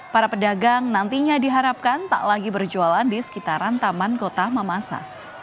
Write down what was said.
para pedagang nantinya diharapkan tak lagi berjualan di sekitaran taman kota mamasa